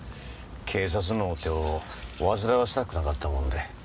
警察のお手を煩わせたくなかったもんで。